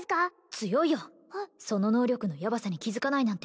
強いよその能力のヤバさに気付かないなんて